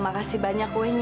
aku pula yakin